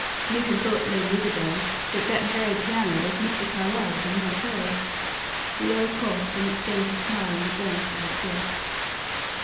Little thought Lady Isabel that that very piano was Mr. Carlyle's, and not hers. The earl coughed, and exchanged a smile and a glance with his guest.